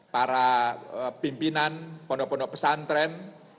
para pimpinan pondok pondok pesantren